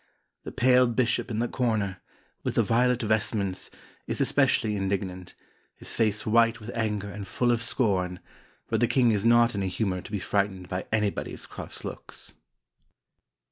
The pale bishop in the corner, with the violet vestments, is especially indignant, his face white with anger and full of scorn, but the king is not in a humor to be frightened by anybody's cross looks."